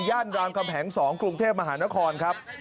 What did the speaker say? รามคำแหง๒กรุงเทพมหานครครับ